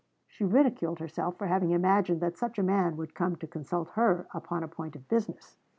She ridiculed herself for having imagined that such a man would come to consult her upon a point of business.